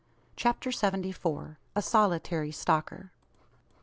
CHAPTER SEVENTY FOUR. A SOLITARY STALKER.